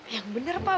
yang bener pak